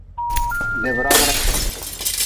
Debragre.